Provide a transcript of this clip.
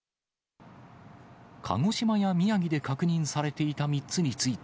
鹿児島や宮城で確認されていた３つについて、